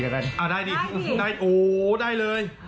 อ่าได้ดิโอ้ยยยได้เลย